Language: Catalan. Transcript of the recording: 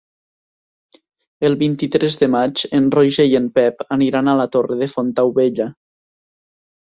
El vint-i-tres de maig en Roger i en Pep aniran a la Torre de Fontaubella.